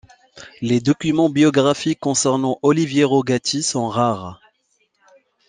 Les documents biographiques concernant Oliviero Gatti sont rares.